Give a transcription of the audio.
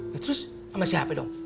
ya terus sama si hp dong